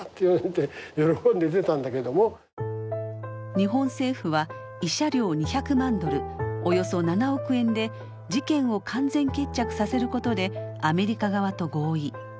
日本政府は慰謝料２００万ドルおよそ７億円で事件を完全決着させることでアメリカ側と合意。